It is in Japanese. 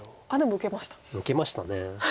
受けました。